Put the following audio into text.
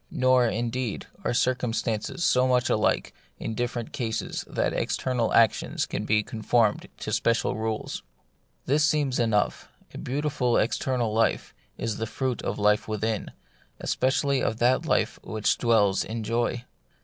Nor, indeed, are circumstances so much alike in different cases that external actions can be conformed to special rules. This seems enough : a beautiful external life is the fruit of life within, especially of that life which dwells in joy.